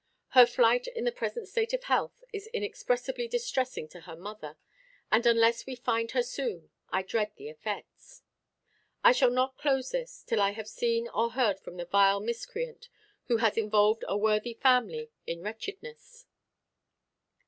Her flight in her present state of health is inexpressibly distressing to her mother; and unless we find her soon, I dread the effects. I shall not close this till I have seen or heard from the vile miscreant who has involved a worthy family in wretchedness.